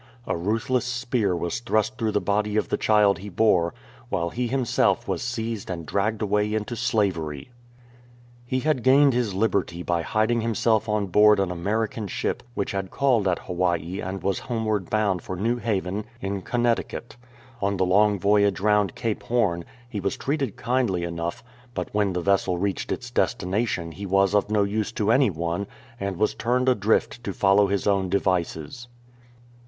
A ruthless spear was thrust through the body of the child he bore, while he himself was seized and dragged away into slavery. He had gained his liberty by hiding himself on board an American ship which had called at Hawaii and was 336 OPUKAHATA homeward bound for New Haven, in Connecticut. On the long voyage round Cape Horn he was treated kindly enouiih, but when the vessel reached its destination he was of no use to any one, and was turned adrift to follow his own devices.